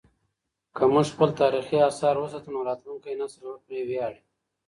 که موږ خپل تاریخي اثار وساتو نو راتلونکی نسل به پرې ویاړي.